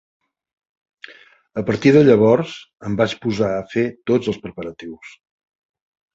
A partir de llavors, em vaig posar a fer tots els preparatius.